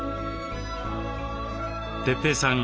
哲平さん